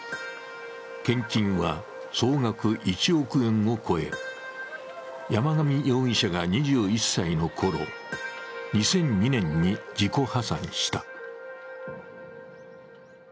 献金は総額１億円を超え、山上容疑者が２１歳のころ、２００２年に自己破産した。